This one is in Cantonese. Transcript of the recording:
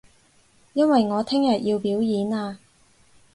因為我聽日要表演啊